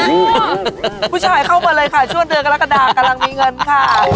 ผู้ชายเข้ามาเลยค่ะช่วงเดือนกรกฎากำลังมีเงินค่ะ